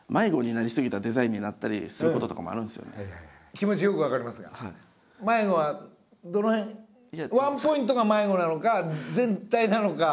気持ちよく分かりますが迷子はどの辺ワンポイントが迷子なのか全体なのか。